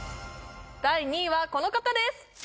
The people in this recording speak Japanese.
第２位はこの方です